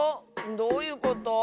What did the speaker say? どういうこと？